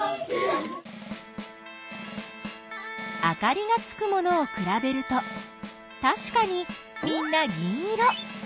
あかりがつくものをくらべるとたしかにみんな銀色。